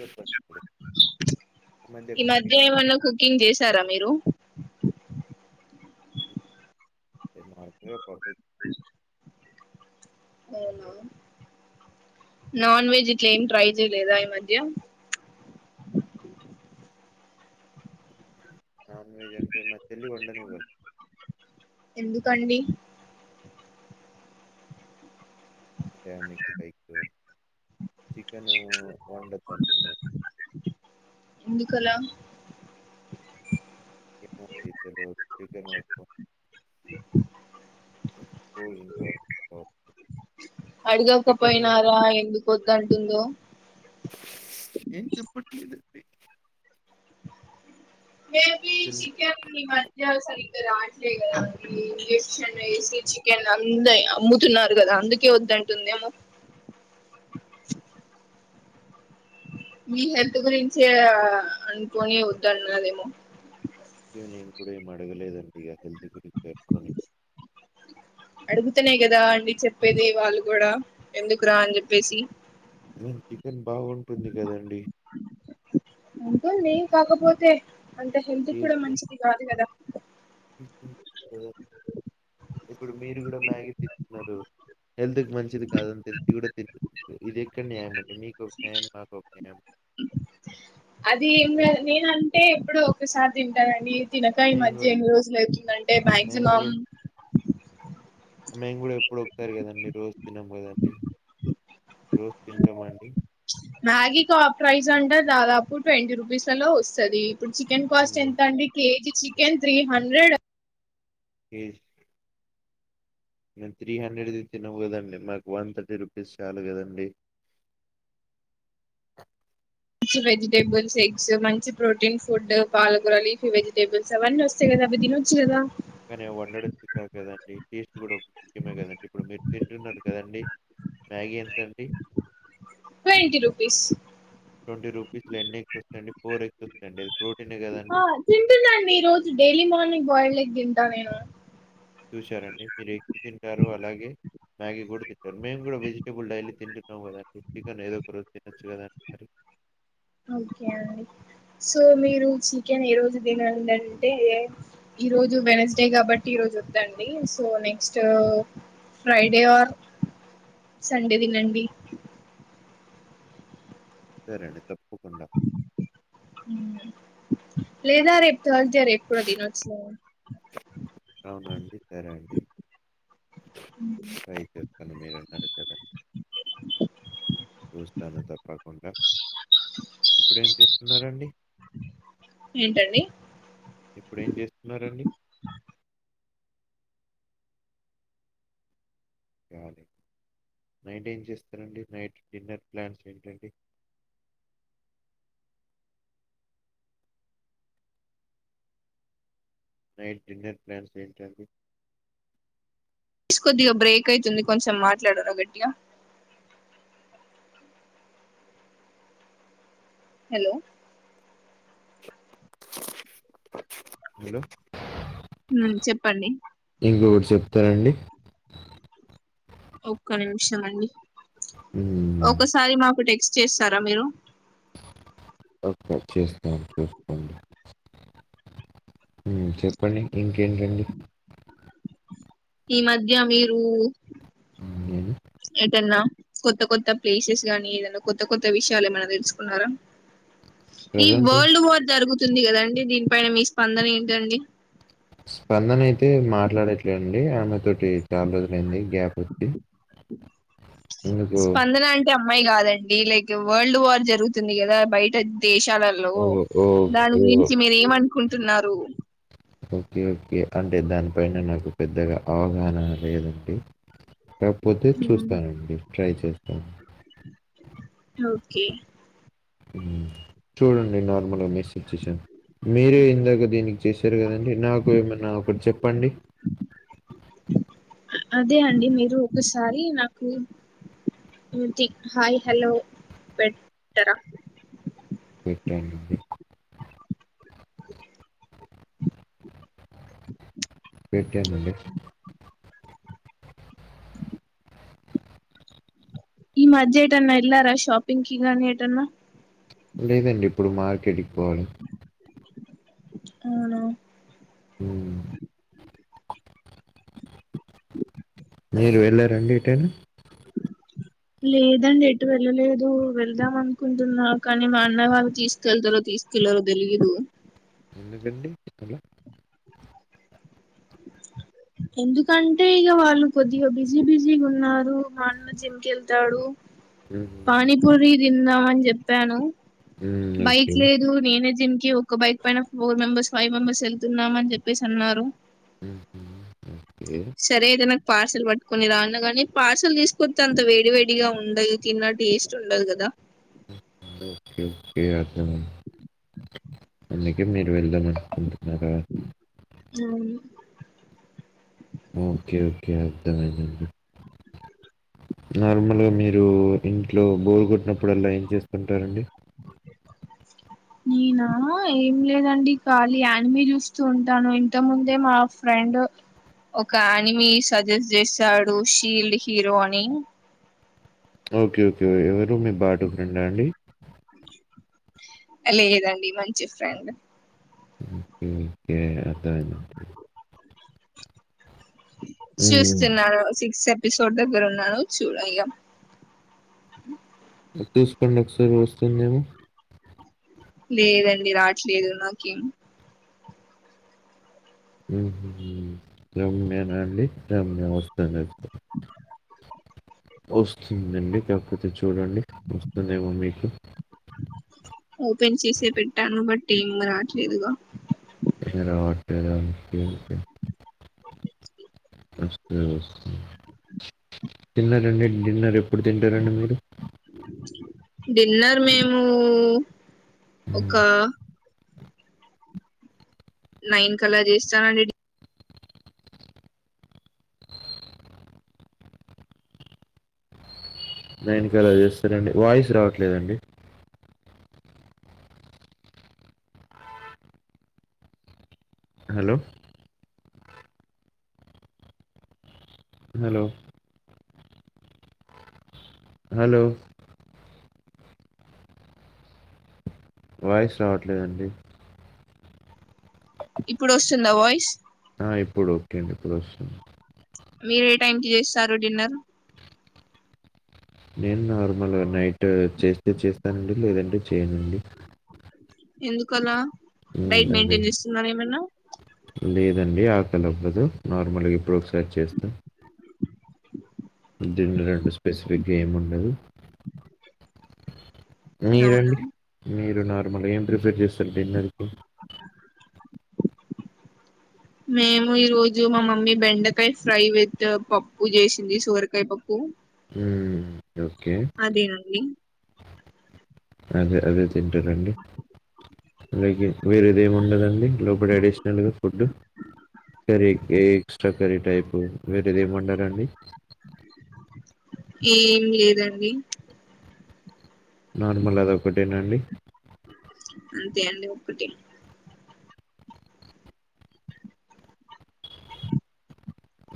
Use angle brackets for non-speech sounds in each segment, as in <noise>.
చెప్పండి. ఈ మధ్య ఏమన్నా కుకింగ్ చేసారా మీరు నాకు ఒకబ్బాయి అవునా నాన్ వెజ్ ఇట్లా ఏమి ట్రై చెయలేదా ఈ మధ్య నాన్ వెజ్ అంటే మా చెల్లి వండనివ్వదు ఎందుకండి ఐతే అకి కై చికన్ వండుద్దండి ఎందుకలా ఏమో అని తెలువదు <unintelligible> అడుగక పోయినారా ఎందుకో వద్దంటుందో ఏం చెప్పట్లేదండి మేబీ చికెన్ ఈమధ్య ఓసారి రాట్లే కదా ఇంక్షన్ వేసి చికెన్ అంద అమ్ముతున్నారు కదా అందుకే వద్దంటుందేమో మీ హెల్త్ గురించే అనుకుని వద్దన్నాదేమో ఇక నేను ఇప్పుడేం అడగలేదండి ఇగ హెల్త్ గురించి పెట్టుకొని అడుగుతనే కదా అండి చెప్పేది వాళ్ళు కూడా ఎందుకురా అని చెప్పేసి టిఫిన్ బాగుంటుంది కదండి ఉంటుంది కాకపోతే అంటే హెల్త్ కూడా టేస్ట్ మంచిది కాదు కదా ఇప్పుడు మీరు కూడా మ్యాగీ తింటున్నారు హెల్త్ మంచిది కాదని తెలిసి కూడా తింటున్న రు ఇదెక్కడి న్యాయం అండి మీకొక న్యాయం మాకో న్యాయం అది ఏం లేదు నేనంటే ఎప్పుడో ఒకసారి తింటా అండి తినకా ఈ మేము కూడా మధ్య ఎన్ని రోజులు అవుతుందంటే మేము మాక్సిమం కూడా మేము గూడా ఎప్పుడు ఒకసారి కదండి రోజ్ తినం కదండీ మ్యాగి టాప్ ప్రైస్ అంటే దాదాపు ట్వంటీ రూపీస్లలో వస్తుంది ఇప్పుడు చికెన్ కాస్ట్ మ్మ్. ఎంత అండి KG chicken three hundred KG నేను త్రీ హండ్రెడ్ది తినను కదండి మాకు వన్ థర్టీ రూపీస్ చాలు కదండి మంచి వెజిటేబుల్స్ ఎగ్స్ మంచి ప్రోటీన్ ఫుడ్ పాలకూర లీఫ్ వెజిటేబుల్స్ అవన్నీ వస్తాయి కదా అవి తినొచ్చు కదా కానీ అవ్వండడం చికాకు కదండి టీస్ట్ కూడా ముఖ్యమే కదండి ఇప్పుడు మిరు తింటున్నారు కదండి మ్యాగీ ఎంతండి ట్వంటీ రూపీస్ ట్వంటీ రూపీస్ లో ఎన్ని ఎగ్స్ వస్తాయండి ఫోర్ ఎగ్స్ వస్తాయండి ప్రోటీనే కదండి ఆ తింటున్నాండి ఈ రోజు డైలీ మార్నింగ్ బాయిల్డ్ ఎగ్ నేను చూశారండి మీరు ఎగ్ తింటారు అలాగే మ్యాగీ కూడా తింటారు మేము కూడా వెజిటేబుల్ డైలీ తింటున్నాం కదండి చికెన్ ఏదో ఒక రోజు తినొచ్చు కదా మరి ఓకే అండి సో మీరు చికెన్ ఏ రోజు తినండి అంటే ఈరోజు వెనస్డే కాబట్టి ఈరోజు వద్దండి so next Friday or Sunday తినండి సరే అండి తప్ప కుండ లేదా రేపు తర్స్డే రేపు కూడా తినచ్చులే అవున అండి సరే అండి ట్రై చేస్తాను మీరు అన్నారు కదా చూస్తాను తప్పకుండా ఇప్పుడు ఏం చేస్తున్నారండి ఏంటండి ఇప్పుడేం చేస్తున్నరండి కావాలి నైట్ ఏం చేస్తరండి నైట్ డిన్నర్ ప్లాన్స్ ఏంటండి నైట్ డిన్నర్ ప్లాన్స్ ఏంటండీ ప్లీస్ కొద్దిగా బ్రేక్ అయితుంది కొంచెం మాట్లాడరా గట్టిగా హలో హలో ఉమ్ చెప్పండి ఇంకకటి చెప్తారండి ఒక్క నిమిషం అండి హ్మ్. ఒకసారి మాకు టెక్స్ట్ చేస్తారా మీరు ఓకే చేస్తాను చూసుకోండి ఉమ్మ్ చెప్పండి ఇంకేంటండి ఈ మధ్య మీరు మ్మ్, నేను ఏదన్నా కొత్త కొత్త ప్లేసెస్ గానీ ఏదైనా కొత్త కొత్త విషయాలు ఏమైన తెలుసుకున్నారా ఈ ప్రజెంట్ వరల్డ్ వార్ జరుగుతు తుంది కదండి దీనిపైన మీ స్పందన ఏంటండి స్పందన అయితే మాట్లాడట్లే అండి ఆమె తోటి చాలా రోజులుయింది. గ్యాపొచ్చి స్పందన అంటే అ అమ్మాయి కాదండి లైక్ వరల్డ్ వార్ జరుగుతుంది కదా బయట దేశాలలో ఓ ఓ దాని ఓ గురించి మీరు ఏమనుకుంట తున్నారు ఓకే ఓకే అంటే దానిపైన నాకు పెద్దగా అవగాహన లేదండి కాకపోతే చూస్తానండి ట్రై చేస్తాను ఓకే చూడండి నార్మల్గా మెసేజ్ చేశాను మీరే ఇందాక దీనికి చేశారు కదండి నాకు ఏమనా ఒకటి చెప్పండి అదే అండి మీరు ఒకసారి నాకు హాయ్ హలో పెట్టరా పెట్టానండి వెయిట్ చేయండి నెక్స్ట్ ఈ మధ్య ఏటన్నా ఎల్లారా షాపింగ్ కి గాని ఏటన్నా లేదండి ఇప్పుడు మార్కెట్ కి పోవాలి అవునా ఉమ్మ్ మీరు వెళ్ళారండి ఎటైనా లేదండి ఎటు వెళ్ళలేదు వెళ్దాం అనుకుంటున్నా కానీ మా అన్నయ్య వాళ్ళు తీసుకెళ్తారో తీసుకెళ్లరో తెలియదు ఎందుకండి అల ఎందుకంటే ఇక వాళ్ళు కొద్దిగా బిజీ బిజీ గున్నారు మా అన్న జిమ్ కెళ్తాడు హుహు. పానీపూరి తిందామని చెప్పాను హ్మ్. ఓకే. బైక్ లేదు నేనే దీనికి ఒక బైక్ పైన ఫోర్ మెంబెర్స్, ఫైవ్ మెంబర్స్, వెళ్తున్నామని చెప్పేసి అన్నారు. హుహు. ఓకే. సరే ఏదన పార్సల్ పట్టుకొని రా అన్నగానీ పార్సల్ తీసుకొచ్చంతా వేడి వేడిగా ఉండయి తిన్న టేస్ట్ ఉండదు కదా. ఓకే ఓకే అర్థమైంది అందుకే మీరు వెళ్దమనుకుంటున్నారా? అవును ఓకే ఓకే అర్థమైందండి నార్మల్గా మీరు ఇంట్లో బోర్ కొట్టినప్పుడల్లా ఏం చేస్త్ తుటారండి. నేనా ఏం లేదండి ఖాళీ యానిమీ చూస్తూ ఉంటాను. ఇంత ముందే మా ఫ్రెండ్ ఒక యానిమీ సజెస్ట్ చేశాడు షీల్డ్ హీరో అని. ఓకే ఓకే ఎవరు మీ బాటు ఫ్రెండా అండి లేదండి మంచి ఫ్రెండ్ మ్మ్ మ్మ్ ఓకే అలాగే హ్మ్. చూస్తున్నారరా సిక్స్ ఎ పిసోడ్ దగ్గర ఉన్నాను చూడయ్యా చూసుకోండి ఒకసారి వస్తుందేమో లేదండి రాట్లేదు నాకేం హ్మ్ హు హు రమ్య నా అండి రమ్య వస్తుంది. వస్తుందండి కాకపోతే చూడండి వస్తుందేమో మీకు ఓపెన్ చేసే పెట్టాను బట్ ఏం రాట్లేదుగా అయినా రావట్లేదా ఓకే ఓకే వస్తది వస్తది తిన్నరండి డిన్నర్ ఎప్పుడు తింటరండి మీరు డిన్నర్ మేమూ హ్మ్. ఒకా నైన్ కలా చేస్తానండి నైన్ కలా చేస్తరండి వాయిస్ రావట్లేదండి. హలో హలో హలో వాయిస్ రావట్లేదండి ఇప్పుడు వస్తుందా వాయిస్ ఆ ఇప్పుడు ఓకే అండి ఇప్పుడు వస్తుంది. మీరు ఏ టైం కి చేస్తారు డిన్నర్? నేను నార్మల్ నైట్ చేస్తే చేస్తానండి, లేదంటే చేయనండి. ఎందుకలా హ్మ్. డైట్ అదే. మెయింటైన్ చేస్తున్నరా ఏమన్నా అండి ఆకలవ్వదు నార్మల్గా ఎప్పుడో ఒకసారి చేస్తా. డిన్నర్ అంటూ స్పెసిఫిక్ గా ఏంముండదు. అవునా మీరండి మీరు నార్మల్గా ఏం ప్రిఫర్ చేస్తరు డిన్నర్కి మేము ఈ రోజు మా మమ్మీ బెండకాయ ఫ్రై విత్ పప్పు చేసింది సోరకాయ పప్పు. హ్మ్ ఓకే. అదేనండి అదే అదే తింటారండి అలాగే వేరేది ఏమి ఉండదండి లోపల అడిషనల్గా ఫుడ్ కర్రీ ఏ ఎక్స్ట్రా కర్రీ టైపు వేరేది ఏమి వుండదాండి ఏం లేదండి నార్మల్ అది ఒకటేనాండి అంతే అండి ఒక్కటే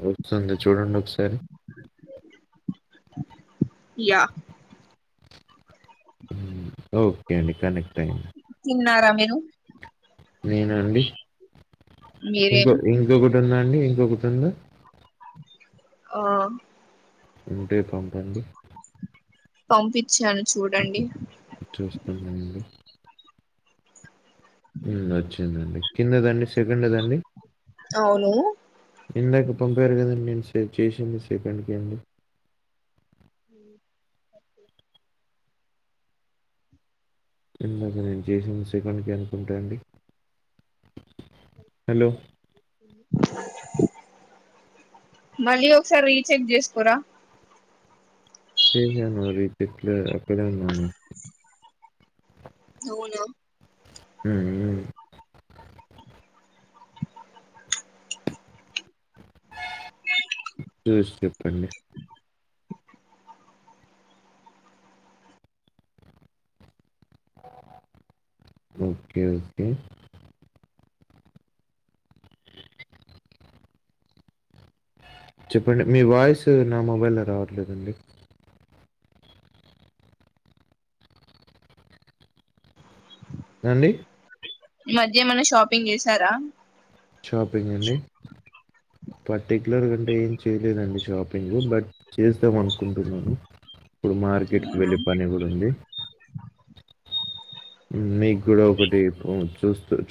వస్తుంది చూడండి ఒకసారి యా హ్మ్. ఓకే అండి కనెక్ట్ అయింది తిన్నారా మీరు నేను అండి మీరే ఇంకో ఇంకొక ఉంద అండి ఇంకొకటి ఉంద ఆ ఉంటే పంపండి పంపించాను చూడండి చూస్తున్నా అండి వచ్చిందండి కింద దండి సెకండ్దండి అవును ఇందాక పంపారు కదండి నేను సేవ చేసింది సెకండ్కి అండి ఓకే ఇందాక నేను చేసిన సెకండ్ కె అనుకుంటా అండి హలో మళ్ళీ ఒకసారి రీచెక్ చేసుకోరా చేసాను రీ చెక్ అక్కడే ఉన్నాను అవునా హ్మ్ హ్మ్ చూసి చెప్పండి ఓకే ఓకే చెప్పండి మీ వాయిస్ నా మొబైల్లో రావట్లేదండి అండి ఈ మధ్య ఏమన్నా షాపింగ్ చేసారా షాపింగ్ అండి పర్టిక్యులర్ గ అంటే ఏం చేయలేదండి షాపింగ్ బట్ చేద్దాం అనుకుంటున్నాను ఇప్పుడు మార్కెట్కి అవునా వెళ్ళే పని కూడా ఉంది మీకు కూడా ఒకటి చూస్తూ చూ